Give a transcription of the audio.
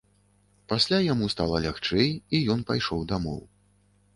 Пасля яму стала лягчэй, і ён пайшоў дамоў.